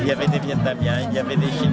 ada vietnami ada orang dari china